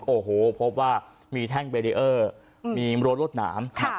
โอ้โหพบว่ามีแท่งเบรีเออร์มีรั้วรวดหนาม